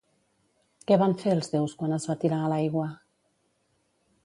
Què van fer els déus quan es va tirar a l'aigua?